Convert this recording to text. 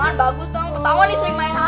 man bagus dong ketawa nih sering main hp di kelas